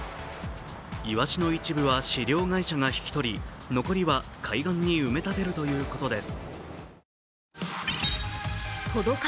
いわしの一部は飼料会社が引き取り、残りは海岸に埋め立てるということです。